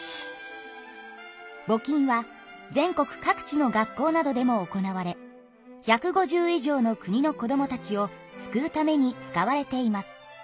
ぼ金は全国各地の学校などでも行われ１５０以上の国の子どもたちを救うために使われています。